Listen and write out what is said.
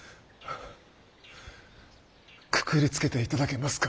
くくりつけて頂けますか？